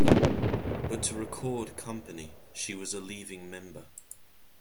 But to the record company, she was a leaving member.